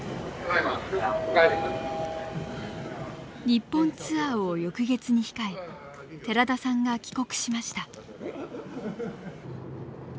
日本ツアーを翌月に控え寺田さんが帰国しました。